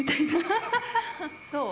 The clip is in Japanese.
そう？